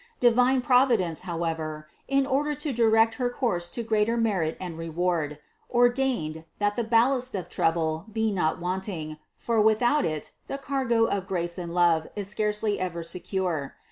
Divine Providence, however, in order to direct her course to greater merit and reward, ordained, that the ballast of trouble be not wanting, for without it the cargo of grace and love is scarcely ever secure.